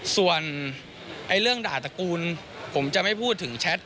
ส่วนเรื่องด่าตระกูลผมจะไม่พูดถึงแชท